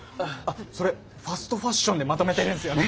それファストファッションでまとめてるんですよね？